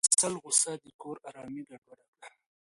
د فیصل غوسه د کور ارامي ګډوډه کړه.